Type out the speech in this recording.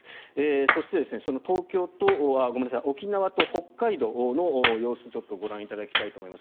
そして、沖縄と北海道の様子ご覧いただきたいと思います。